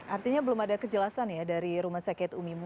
artinya belum ada kejelasan ya dari rumah sakit umi